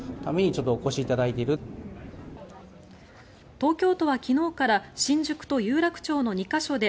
東京都は昨日から新宿と有楽町の２か所で